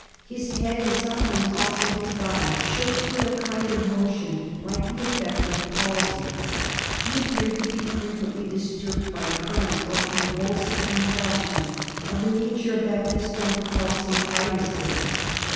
His head, and sometimes also his body, shook with a kind of motion like the effect of palsy. He appeared to be frequently disturbed by cramps or convulsive contractions of the nature of that distemper called St. Vitus' dance.